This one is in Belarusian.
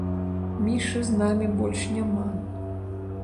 Мішы з намі больш няма.